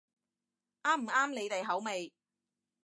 啱唔啱你哋口味